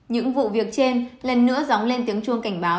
những vụ việc trên lần nữa dóng lên tiếng chuông cảnh báo